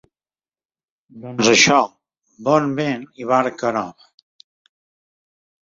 Doncs això, bon Vint i barca Nova!